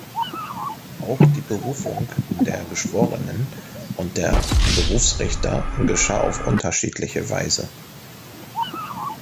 Auch die Berufung der Geschworenen und der Berufsrichter geschah auf unterschiedliche Weise.